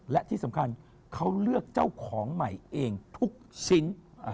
และที่สำคัญเขาเลือกเจ้าของใหม่เองทุกชิ้น